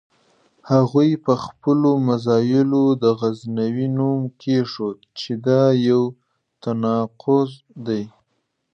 هغوی په خپلو مزایلو د غزنوي نوم کېښود چې دا یو تناقض دی.